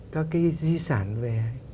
các cái di sản về